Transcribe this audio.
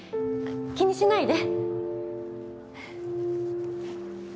気にしないで。